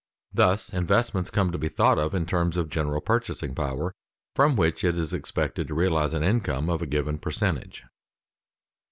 Thus investments come to be thought of in terms of general purchasing power, from which it is expected to realize an income of a given percentage.